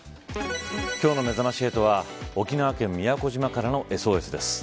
今日のめざまし８は沖縄県宮古島からのＳＯＳです。